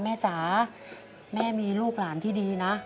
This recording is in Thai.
จ๋าแม่มีลูกหลานที่ดีนะ